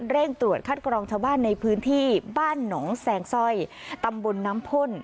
เร่งตรวจคัดกรองชาวบ้านในพื้นที่บ้านหนองแซงสร้อยตำบลน้ำพ่น